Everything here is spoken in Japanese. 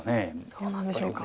どうなんでしょうか。